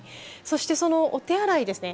お手洗いですね